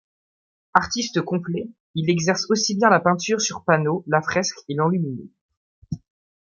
Artiste complet, il exerce aussi bien la peinture sur panneaux, la fresque et l'enluminure.